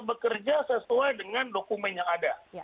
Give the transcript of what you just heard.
bekerja sesuai dengan dokumen yang ada